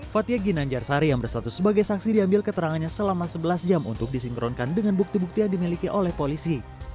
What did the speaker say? fathia ginanjarsari yang bersatu sebagai saksi diambil keterangannya selama sebelas jam untuk disinkronkan dengan bukti bukti yang dimiliki oleh polisi